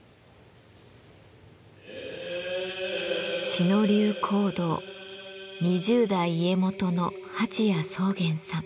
志野流香道二十代家元の蜂谷宗玄さん。